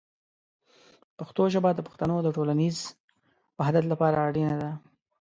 پښتو ژبه د پښتنو د ټولنیز وحدت لپاره اړینه ده.